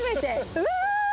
うわ！